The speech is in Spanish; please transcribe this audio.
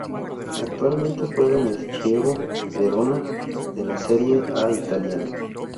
Actualmente juega en el Chievo Verona, de la Serie A italiana.